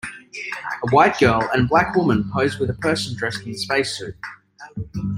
A white girl and a black woman pose with a person dressed in a spacesuit.